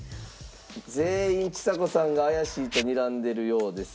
全員ちさ子さんが怪しいとにらんでるようです。